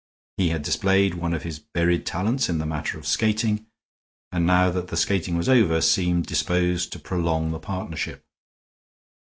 He had displayed one of his buried talents in the matter of skating, and now that the skating was over seemed disposed to prolong the partnership.